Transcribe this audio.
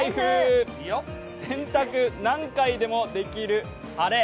洗濯、何回でもできる晴れ。